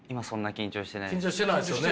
緊張してないですよね。